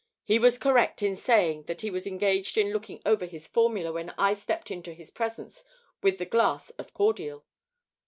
He was correct in stating that he was engaged in looking over his formula when I stepped into his presence with the glass of cordial.